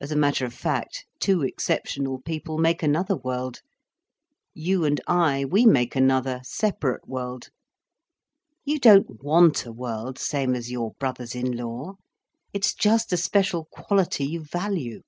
As a matter of fact, two exceptional people make another world. You and I, we make another, separate world. You don't want a world same as your brothers in law. It's just the special quality you value.